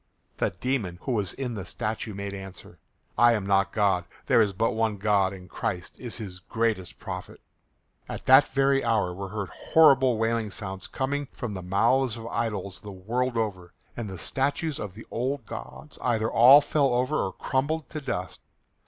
The demon who was in the statue made answer, "I am not God. There is but one God and Christ is his greatest prophet." At that very hour were heard horrible wailing sounds coming from the mouths of idols the world over, and the statues of the old gods either all fell over or crumbled to dust.